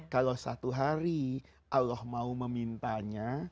kalau satu hari allah mau memintanya